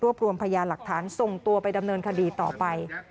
รวมรวมพยานหลักฐานส่งตัวไปดำเนินคดีต่อไป